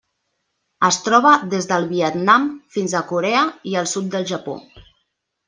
Es troba des del Vietnam fins a Corea i el sud del Japó.